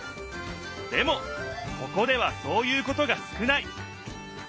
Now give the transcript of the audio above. でもここではそういうことが少ない。